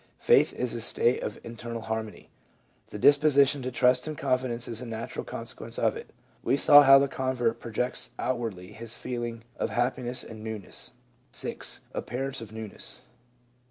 Faith is a state of internal harmony. The disposition to trust and confidence is a natural consequence of it. We saw how the convert projects out wardly his feeling of happiness and newness §6. Appearance of Newness).